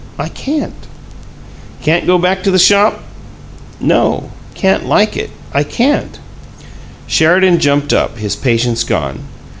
"I can't." "Can't go back to the shop?" "No. Can't like it. I can't." Sheridan jumped up, his patience gone.